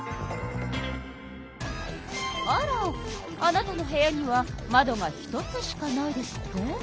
あらあなたの部屋には窓が１つしかないですって？